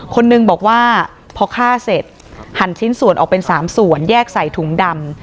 คนหนึ่งบอกว่าพอฆ่าเสร็จหันชิ้นส่วนออกเป็น๓ส่วนแยกใส่ถุงดำ